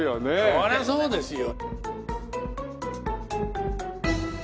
そりゃそうですよ。